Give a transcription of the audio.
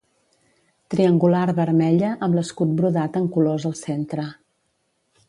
Triangular vermella, amb l'escut brodat en colors al centre.